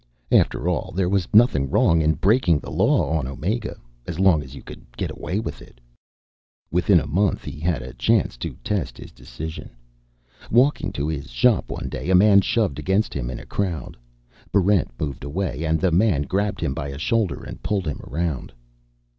After all, there was nothing wrong in breaking the law on Omega as long as you could get away with it. Within a month, he had a chance to test his decision. Walking to his shop one day, a man shoved against him in a crowd. Barrent moved away, and the man grabbed him by a shoulder and pulled him around.